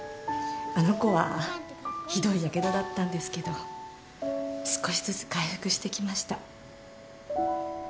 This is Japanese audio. あの子はひどいやけどだったんですけど少しずつ回復してきました。